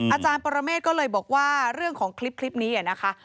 อาจารย์ปรเมฆก็เลยบอกว่าเรื่องของคลิปนี้นะคะ